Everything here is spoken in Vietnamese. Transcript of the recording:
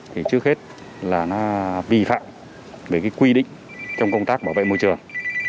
thì trước hết là nó vi phạm về cái quy định trong công tác bảo vệ môi trường